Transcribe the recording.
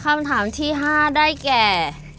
มาได้แก่